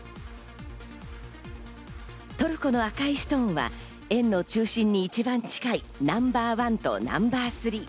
トルコの赤いストーンは円の中心に一番近いナンバー１とナンバー３。